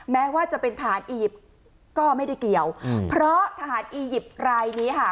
แม้ว่าจะเป็นทหารอียิปต์ก็ไม่ได้เกี่ยวเพราะทหารอียิปต์รายนี้ค่ะ